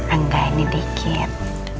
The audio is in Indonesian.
enggak ini dikit